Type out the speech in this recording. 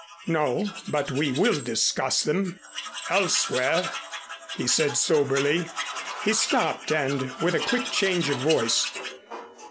"No, but we will discuss them elsewhere," he said soberly. He stopped and, with a quick change of voice.